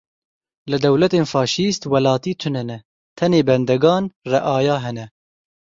Li dewletên faşîst welatî tune ne, tenê bendegan, reaya hene.